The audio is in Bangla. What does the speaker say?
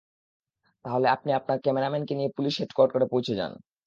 তাহলে আপনি আপনার ক্যামেরাম্যানকে নিয়ে পুলিশ হেডকোয়ার্টারে পৌঁছে যান।